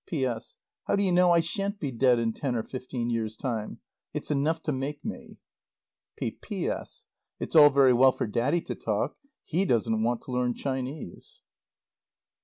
P.S. How do you know I shan't be dead in ten or fifteen years' time? It's enough to make me. P.P.S. It's all very well for Daddy to talk he doesn't want to learn Chinese.